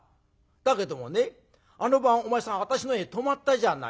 だけどもねあの晩お前さん私の家に泊まったじゃないか。